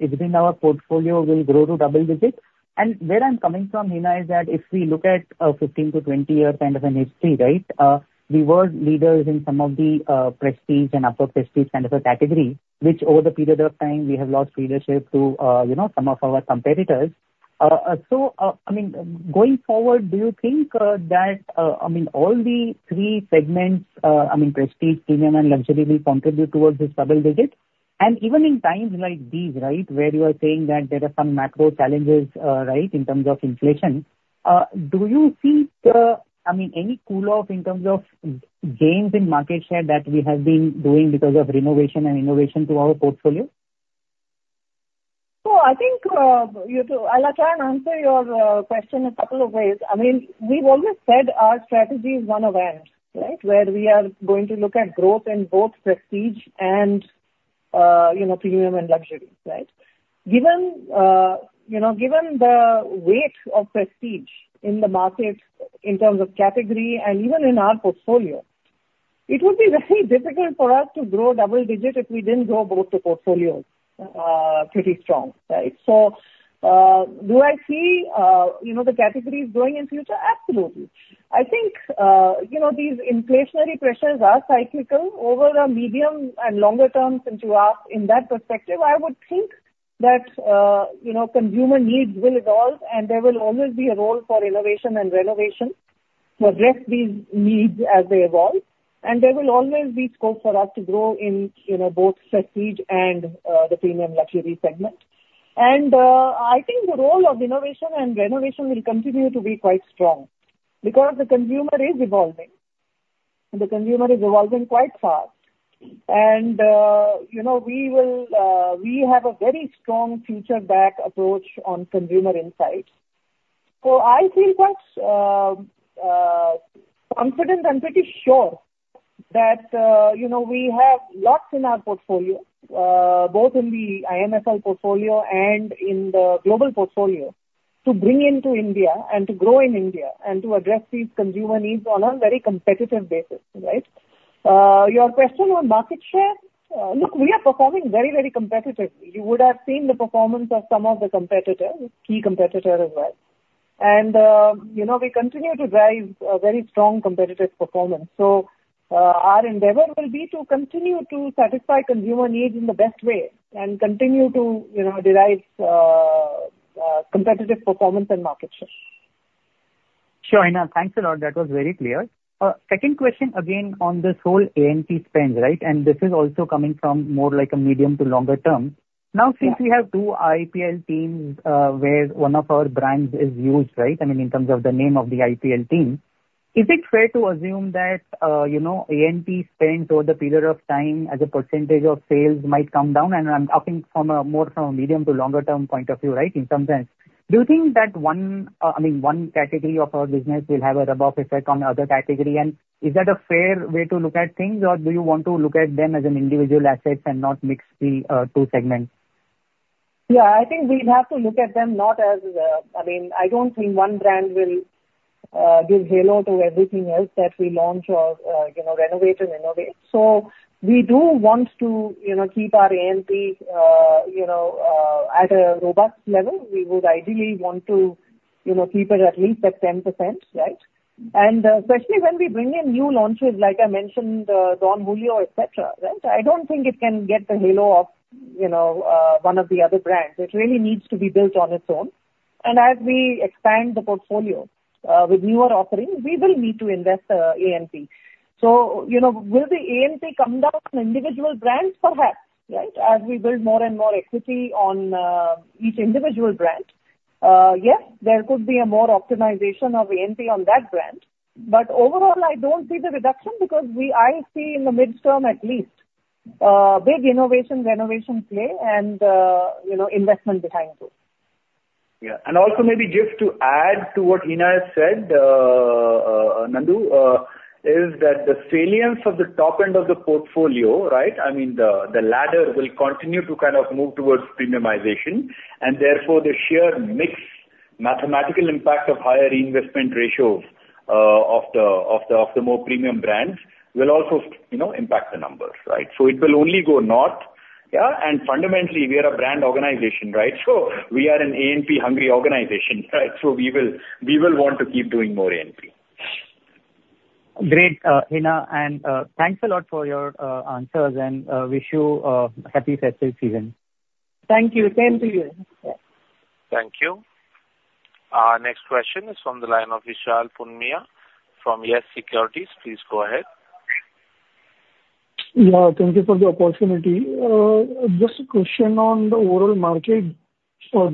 within our portfolio will grow to double digits? And where I'm coming from, Hina, is that if we look at a 15 to 20 year kind of a history, right, we were leaders in some of the prestige and upper prestige kind of a category, which over the period of time, we have lost leadership to, you know, some of our competitors. So, I mean, going forward, do you think that, I mean, all the three segments, I mean, prestige, premium, and luxury, will contribute towards this double digit? Even in times like these, right, where you are saying that there are some macro challenges, right, in terms of inflation, do you see the, I mean, any cool off in terms of gains in market share that we have been doing because of renovation and innovation to our portfolio? So I think, you know, I'll try and answer your question a couple of ways. I mean, we've always said our strategy is one of end, right? Where we are going to look at growth in both prestige and, you know, premium and luxury, right? Given, you know, given the weight of prestige in the market in terms of category and even in our portfolio, it would be very difficult for us to grow double digit if we didn't grow both the portfolios, pretty strong, right? So, do I see, you know, the categories growing in future? Absolutely. I think, you know, these inflationary pressures are cyclical over a medium and longer term. Since you ask in that perspective, I would think that, you know, consumer needs will evolve, and there will always be a role for innovation and renovation to address these needs as they evolve. And there will always be scope for us to grow in, you know, both prestige and, the premium luxury segment. And, I think the role of innovation and renovation will continue to be quite strong because the consumer is evolving, and the consumer is evolving quite fast. And, you know, we will, we have a very strong future back approach on consumer insights. So I feel quite confident and pretty sure that, you know, we have lots in our portfolio, both in the IMFL portfolio and in the global portfolio, to bring into India and to grow in India and to address these consumer needs on a very competitive basis, right? Your question on market share, look, we are performing very, very competitively. You would have seen the performance of some of the competitors, key competitors as well. You know, we continue to drive a very strong competitive performance. So, our endeavor will be to continue to satisfy consumer needs in the best way and continue to, you know, derive competitive performance and market share. Sure, Hina. Thanks a lot. That was very clear. Second question again on this whole A&P spend, right? And this is also coming from more like a medium to longer term. Yeah. Now, since we have two IPL teams, where one of our brands is used, right? I mean, in terms of the name of the IPL team, is it fair to assume that, you know, A&P spend over the period of time as a percentage of sales might come down, and I'm talking from a more from a medium to longer term point of view, right, in some sense. Do you think that one, I mean, one category of our business will have a rub-off effect on the other category, and is that a fair way to look at things? Or do you want to look at them as an individual assets and not mix the, two segments? Yeah, I think we'd have to look at them not as, I mean, I don't think one brand will give halo to everything else that we launch or, you know, renovate and innovate. So we do want to, you know, keep our A&P, you know, at a robust level. We would ideally want to, you know, keep it at least at 10%, right? And, especially when we bring in new launches, like I mentioned, Don Julio, et cetera, right? I don't think it can get the halo of, you know, one of the other brands. It really needs to be built on its own. And as we expand the portfolio, with newer offerings, we will need to invest, A&P. So, you know, will the A&P come down on individual brands? Perhaps. Right. As we build more and more equity on each individual brand, yes, there could be a more optimization of A&P on that brand, but overall, I don't see the reduction because I see in the midterm at least, big innovation, renovation play and, you know, investment behind those. Yeah. And also maybe just to add to what Hina has said, Nandu, is that the salience of the top end of the portfolio, right? I mean, the ladder will continue to kind of move towards premiumization, and therefore the sheer mix, mathematical impact of higher investment ratios of the more premium brands will also, you know, impact the numbers, right? So it will only go north, yeah, and fundamentally, we are a brand organization, right? So we are an A&P-hungry organization, right? So we will want to keep doing more A&P. Great, Hina, and thanks a lot for your answers and wish you a happy festival season. Thank you. Same to you. Thank you. Our next question is from the line of Vishal Punmiya from Yes Securities. Please go ahead. Yeah, thank you for the opportunity. Just a question on the overall market,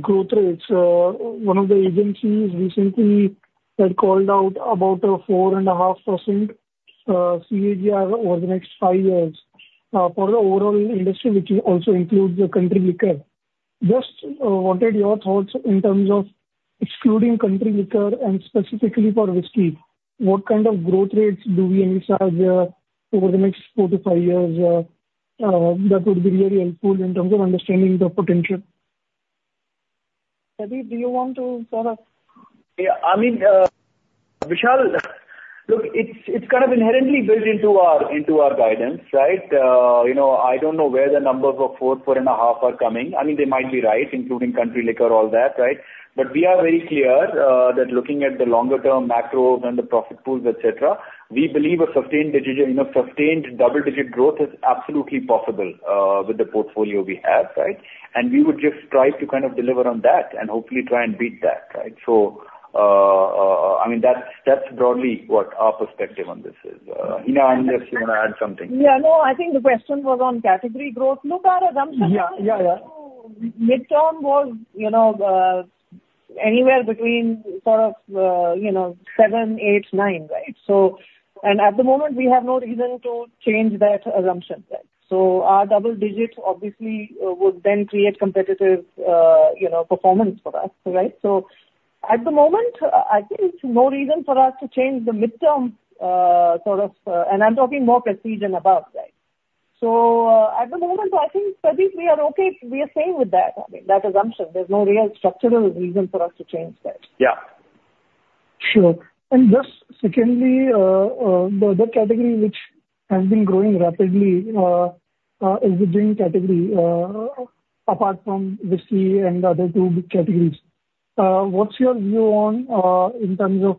growth rates. One of the agencies recently had called out about a 4.5% CAGR over the next five years, for the overall industry, which also includes the country liquor. Just, wanted your thoughts in terms of excluding country liquor and specifically for whiskey. What kind of growth rates do we envisage, over the next four to five years? That would be very helpful in terms of understanding the potential. Pradeep, do you want to sort of Yeah. I mean, Vishal, look, it's, it's kind of inherently built into our, into our guidance, right? You know, I don't know where the numbers of 4, 4.5 are coming. I mean, they might be right, including country liquor, all that, right? But we are very clear that looking at the longer term macros and the profit pools, et cetera, we believe a sustained digit, you know, sustained double-digit growth is absolutely possible with the portfolio we have, right? And we would just try to kind of deliver on that and hopefully try and beat that, right? So, I mean, that's, that's broadly what our perspective on this is. Hina, unless you want to add something. Yeah, no, I think the question was on category growth. Look, our assumption. Yeah. Yeah, yeah. Midterm was, you know, anywhere between sort of, you know, seven, eight, nine, right? So at the moment, we have no reason to change that assumption, right. So our double digits obviously would then create competitive, you know, performance for us, right? So at the moment, I think it's no reason for us to change the midterm, sort of and I'm talking more prestige and above, right. So at the moment, I think, Pradeep, we are okay. We are staying with that, I mean, that assumption. There's no real structural reason for us to change that. Yeah. Sure. And just secondly, the other category which has been growing rapidly is the gin category, apart from whiskey and the other two big categories. What's your view on, in terms of,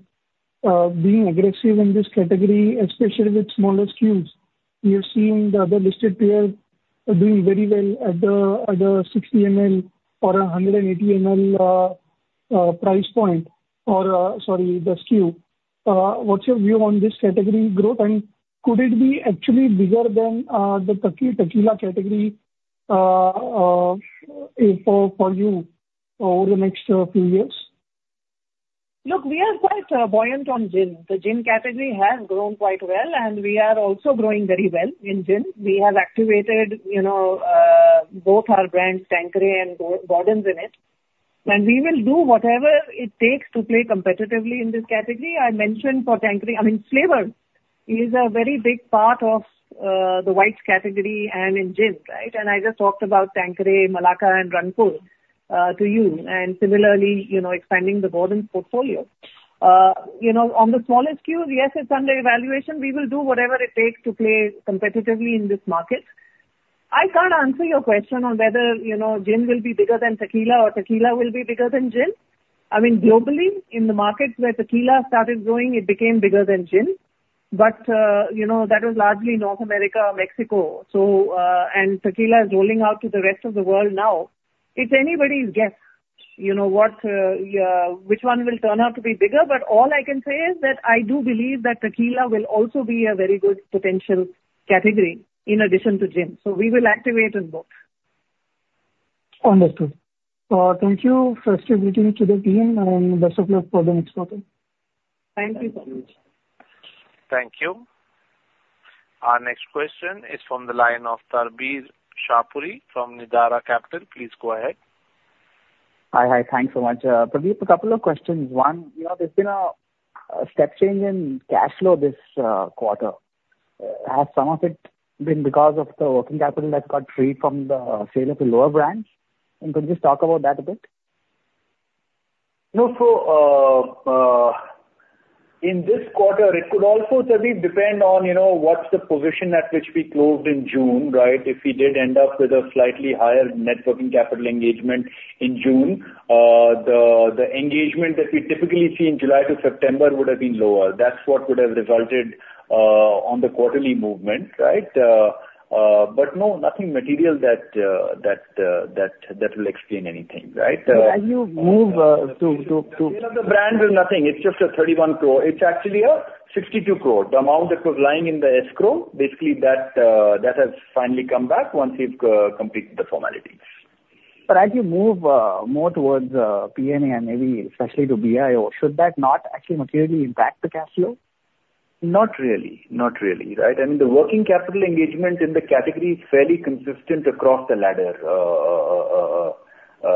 being aggressive in this category, especially with smaller SKUs? We are seeing the other listed players are doing very well at the 60 mL or 180 mL price point or, sorry, the SKU. What's your view on this category growth, and could it be actually bigger than the tequila category for you over the next few years? Look, we are quite buoyant on gin. The gin category has grown quite well, and we are also growing very well in gin. We have activated, you know, both our brands, Tanqueray and Gordon's in it, and we will do whatever it takes to play competitively in this category. I mentioned for Tanqueray, I mean, flavor is a very big part of the whites category and in gins, right? And I just talked about Tanqueray, Malacca and Rangpur to you, and similarly, you know, expanding the Gordon's portfolio. You know, on the smaller SKUs, yes, it's under evaluation. We will do whatever it takes to play competitively in this market. I can't answer your question on whether, you know, gin will be bigger than tequila or tequila will be bigger than gin. I mean, globally, in the markets where tequila started growing, it became bigger than gin. But, you know, that was largely North America, Mexico. So, and tequila is rolling out to the rest of the world now. It's anybody's guess, you know, what, which one will turn out to be bigger, but all I can say is that I do believe that tequila will also be a very good potential category in addition to gin. So we will activate on both. Understood. Thank you. First, everything to the team, and best of luck for the next quarter. Thank you so much. Thank you. Our next question is from the line of Tarbir Shahpuri from Nidara Capital. Please go ahead. Hi, hi. Thanks so much. Pradeep, a couple of questions. One, you know, there's been a step change in cash flow this quarter. Has some of it been because of the working capital that got freed from the sale of the lower brands? And could you just talk about that a bit? No. So, in this quarter, it could also, Tarbir, depend on, you know, what's the position at which we closed in June, right? If we did end up with a slightly higher net working capital engagement in June, the engagement that we typically see in July to September would have been lower. That's what would have resulted on the quarterly movement, right? But no, nothing material that will explain anything, right? But as you move to The brand is nothing. It's just a 31 crore. It's actually a 62 crore. The amount that was lying in the escrow, basically, that has finally come back once we've completed the formalities. As you move more towards PNA and maybe especially to BIO, should that not actually materially impact the cash flow? Not really. Not really, right? I mean, the working capital engagement in the category is fairly consistent across the ladder,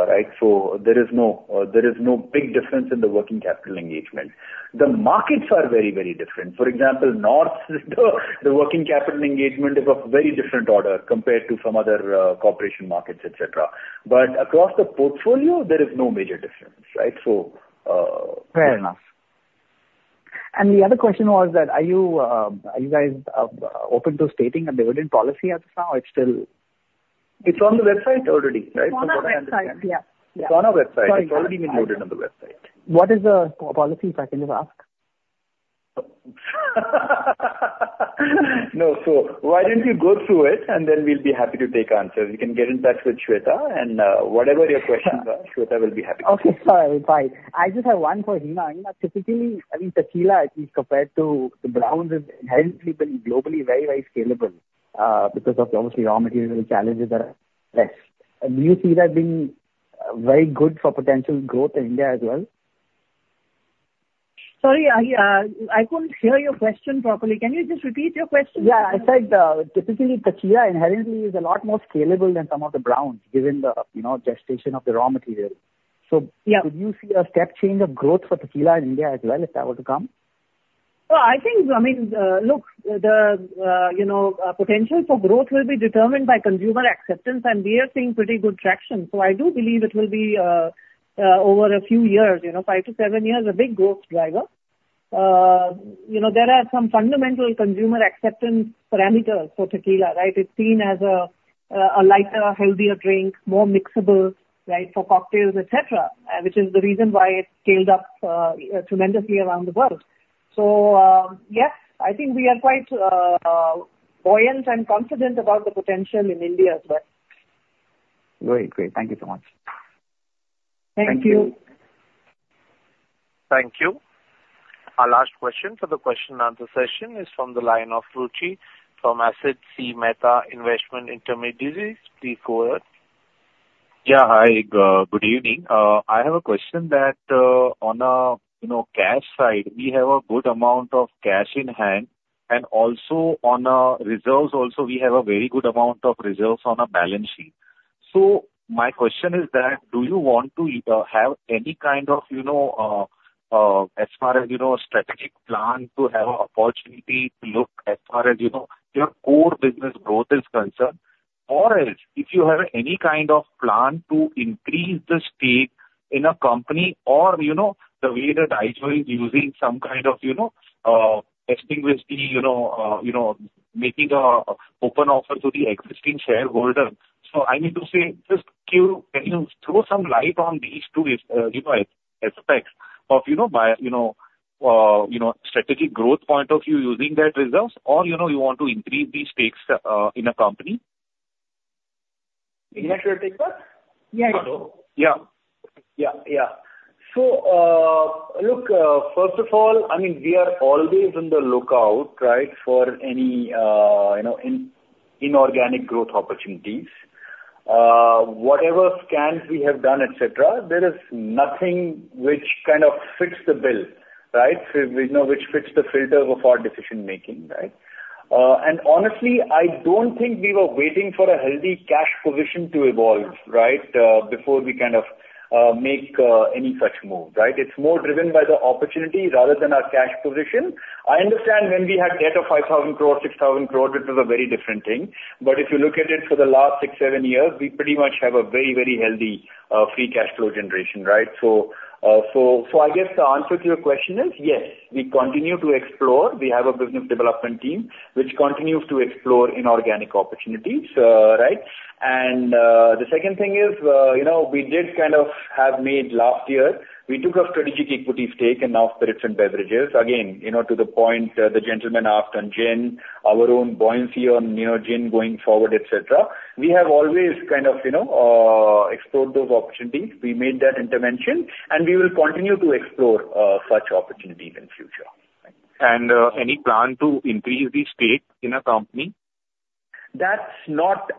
right? So there is no, there is no big difference in the working capital engagement. The markets are very, very different. For example, North, the working capital engagement is of a very different order compared to some other, corporation markets, et cetera. But across the portfolio, there is no major difference, right? So, Fair enough. The other question was that are you guys open to stating a dividend policy as of now, or it's still, It's on the website already, right? It's on our website, yeah. It's on our website. It's already been loaded on the website. What is the policy, if I can just ask? No. So why don't you go through it and then we'll be happy to take answers. You can get in touch with Shweta, and whatever your questions are, Shweta will be happy to Okay, fine. Fine. I just have one for Hina. Hina, typically, I mean, tequila, at least compared to the browns, is inherently been globally very, very scalable, because of obviously raw material challenges are less. Do you see that being very good for potential growth in India as well? Sorry, I, I couldn't hear your question properly. Can you just repeat your question? Yeah, I said, typically, tequila inherently is a lot more scalable than some of the browns, given the, you know, gestation of the raw material. Yeah. Would you see a step change of growth for tequila in India as well, if that were to come? Well, I think, I mean, look, the, you know, potential for growth will be determined by consumer acceptance, and we are seeing pretty good traction. So I do believe it will be, over a few years, you know, five to seven years, a big growth driver. You know, there are some fundamental consumer acceptance parameters for tequila, right? It's seen as a, a lighter, healthier drink, more mixable, right, for cocktails, et cetera, which is the reason why it's scaled up, tremendously around the world. So, yes, I think we are quite, buoyant and confident about the potential in India as well. Great. Great. Thank you so much. Thank you. Thank you. Thank you. Our last question for the question and answer session is from the line of Ruchi, from Asit C. Mehta Investment Intermediaries. Please go ahead. Yeah, hi, good evening. I have a question that, on a, you know, cash side, we have a good amount of cash in hand, and also on our reserves also, we have a very good amount of reserves on our balance sheet. So my question is that, do you want to, have any kind of, you know, as far as, you know, strategic plan to have an opportunity to look as far as, you know, your core business growth is concerned? Or else, if you have any kind of plan to increase the stake in a company or, you know, the way that Eicher is using some kind of, you know, extinguishing, you know, making an open offer to the existing shareholder. So I need to say, just give, Can you throw some light on these two, you know, aspects of, you know, by, you know, you know, strategic growth point of view using that reserves, or you know, you want to increase these stakes, in a company? Hina, you want to take that? Yeah. Hello. Yeah. Yeah, yeah. So, look, first of all, I mean, we are always on the lookout, right, for any, you know, inorganic growth opportunities. Whatever scans we have done, et cetera, there is nothing which kind of fits the bill, right? So you know, which fits the filter of our decision making, right? And honestly, I don't think we were waiting for a healthy cash position to evolve, right, before we kind of make any such move, right? It's more driven by the opportunity rather than our cash position. I understand when we had debt of 5,000 crore, 6,000 crore, it was a very different thing. But if you look at it for the last six, seven years, we pretty much have a very, very healthy free cash flow generation, right? So, I guess the answer to your question is yes, we continue to explore. We have a business development team, which continues to explore inorganic opportunities, right? The second thing is, you know, we did kind of have made last year, we took a strategic equity stake in Nao Spirits and Beverages. Again, you know, to the point, the gentleman asked on gin, our own buoyancy on near gin going forward, et cetera. We have always kind of, you know, explored those opportunities. We made that intervention, and we will continue to explore such opportunities in future. Any plan to increase the stake in a company? That's not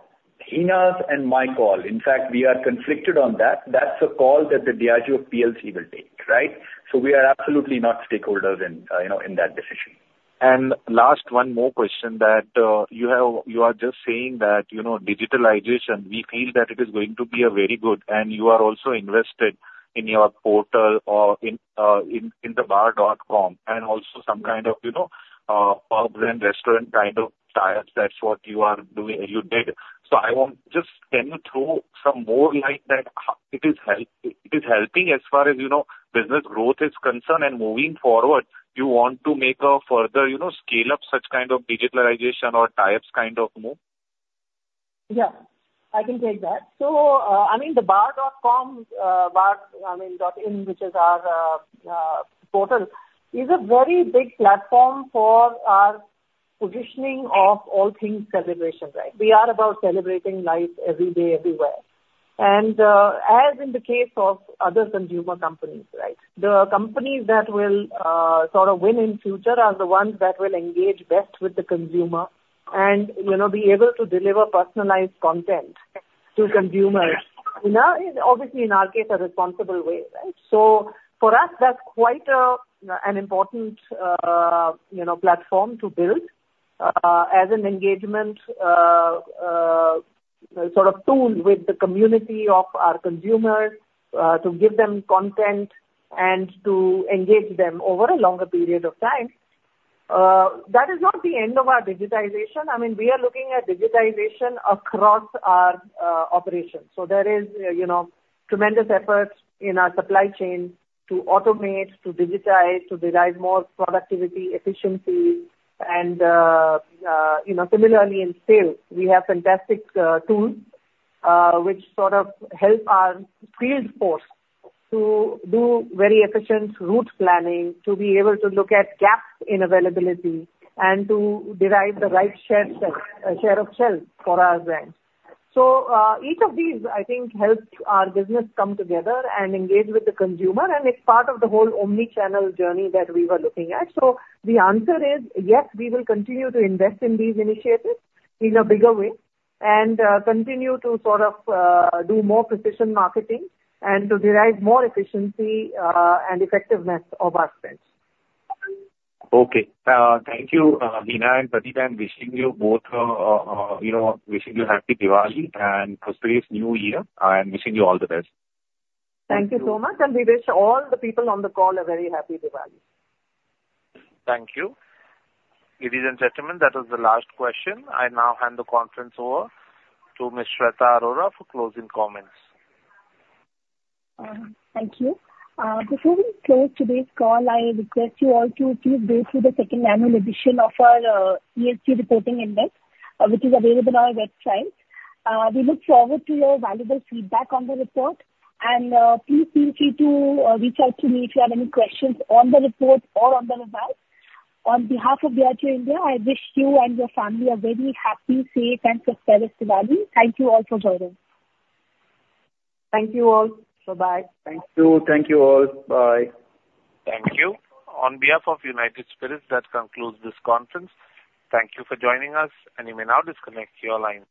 in our and my call. In fact, we are conflicted on that. That's a call that the Diageo plc will take, right? So we are absolutely not stakeholders in, you know, in that decision. And last, one more question that you have, you are just saying that, you know, digitalization, we feel that it is going to be a very good, and you are also invested in your portal or in, in, inthebar.com, and also some kind of, you know, pub and restaurant kind of ties. That's what you are doing, you did. So I want, just can you throw some more light that it is helping as far as, you know, business growth is concerned, and moving forward, you want to make a further, you know, scale up such kind of digitalization or ties kind of move? Yeah, I can take that. So, I mean, the bar.com, bar, I mean, .in, which is our portal, is a very big platform for our positioning of all things celebration, right? We are about celebrating life every day, everywhere. And, as in the case of other consumer companies, right? The companies that will sort of win in future are the ones that will engage best with the consumer and, you know, be able to deliver personalized content to consumers. Now, obviously, in our case, a responsible way, right? So for us, that's quite an important, you know, platform to build as an engagement sort of tool with the community of our consumers to give them content and to engage them over a longer period of time. That is not the end of our digitization. I mean, we are looking at digitization across our operations. So there is, you know, tremendous efforts in our supply chain to automate, to digitize, to derive more productivity, efficiency. And, you know, similarly in sales, we have fantastic tools, which sort of help our field force to do very efficient route planning, to be able to look at gaps in availability, and to derive the right share set, share of shelf for our brands. So, each of these, I think, helps our business come together and engage with the consumer, and it's part of the whole omni-channel journey that we were looking at. So the answer is yes, we will continue to invest in these initiatives in a bigger way and, continue to sort of, do more precision marketing and to derive more efficiency, and effectiveness of our spends. Okay. Thank you, Hina and Pradeep. I'm wishing you both, you know, wishing you happy Diwali and prosperous New Year, and wishing you all the best. Thank you so much, and we wish all the people on the call a very happy Diwali. Thank you. Ladies and gentlemen, that was the last question. I now hand the conference over to Ms. Shweta Arora for closing comments. Thank you. Before we close today's call, I request you all to please go through the second annual edition of our ESG Reporting Index, which is available on our website. We look forward to your valuable feedback on the report, and please feel free to reach out to me if you have any questions on the report or on the results. On behalf of Diageo India, I wish you and your family a very happy, safe, and prosperous Diwali. Thank you all for joining. Thank you all. Bye-bye. Thank you. Thank you all. Bye. Thank you. On behalf of United Spirits, that concludes this conference. Thank you for joining us, and you may now disconnect your line.